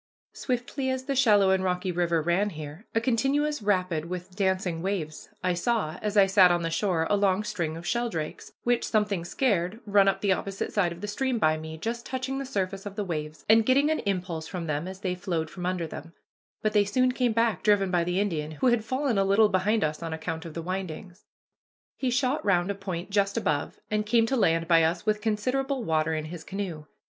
Swiftly as the shallow and rocky river ran here, a continuous rapid with dancing waves, I saw, as I sat on the shore, a long string of sheldrakes, which something scared, run up the opposite side of the stream by me, just touching the surface of the waves, and getting an impulse from them as they flowed from under them; but they soon came back, driven by the Indian, who had fallen a little behind us on account of the windings. He shot round a point just above, and came to land by us with considerable water in his canoe.